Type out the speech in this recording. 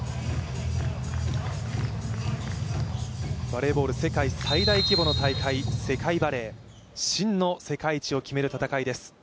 バレーボール世界最大規模の大会、世界バレー真の世界一を決める戦いです。